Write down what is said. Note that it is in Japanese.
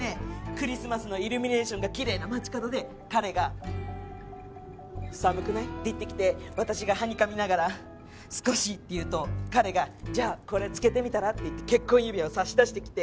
クリスマスのイルミネーションがきれいな街角で彼が「寒くない？」って言ってきて私がはにかみながら「少し」って言うと彼が「じゃあこれ着けてみたら？」って言って結婚指輪を差し出してきて。